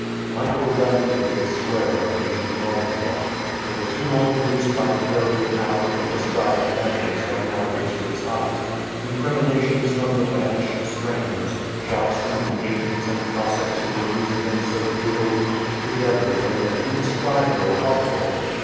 Michael left the great square of Nijni Novgorod, where the tumult produced by the carrying out of the prescribed measures had now reached its height. Recriminations from the banished strangers, shouts from the agents and Cossacks who were using them so brutally, together made an indescribable uproar.